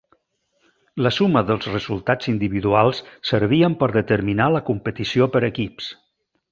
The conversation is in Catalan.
La suma dels resultats individuals servien per determinar la competició per equips.